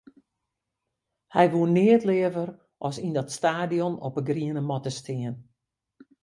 Hy woe neat leaver as yn dat stadion op 'e griene matte stean.